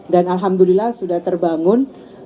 dan alhamdulillah sudah terbangun